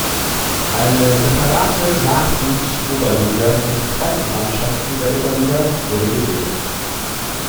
Eine separate Nachwuchsoberliga für die zweiten Mannschaften der Oberliga wurde gebildet.